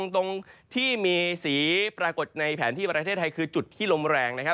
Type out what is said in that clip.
ตรงที่มีสีปรากฏในแผนที่ประเทศไทยคือจุดที่ลมแรงนะครับ